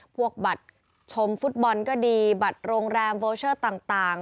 บัตรชมฟุตบอลก็ดีบัตรโรงแรมเวอร์เชอร์ต่าง